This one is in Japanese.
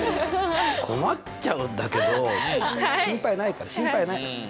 困っちゃうんだけど心配ないから心配ない。